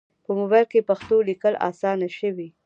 په موبایل کې پښتو لیکل اسانه شوي.